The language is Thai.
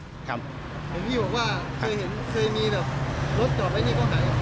เหมือนพี่บอกว่าเคยมีรถจับมาที่นี่ก็ไหน